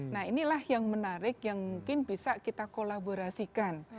nah inilah yang menarik yang mungkin bisa kita kolaborasikan